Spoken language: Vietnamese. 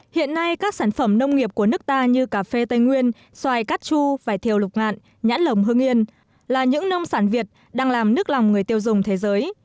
hiện nay các sản phẩm nông nghiệp của nước ta như cà phê tây nguyên xoài cát chu vải thiều lục ngạn nhãn lồng hưng yên là những nông sản việt đang làm nức lòng người tiêu dùng thế giới